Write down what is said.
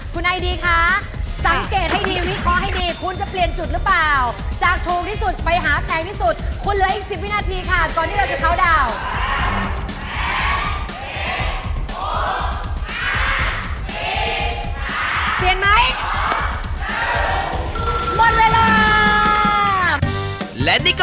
คุณไอดีค่ะสังเกตให้ดีวิเคราะห์ให้ดี